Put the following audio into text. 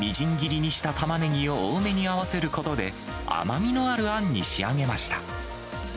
そこにみじん切りにしたタマネギを多めに合わせることで、甘みのあるあんに仕上げました。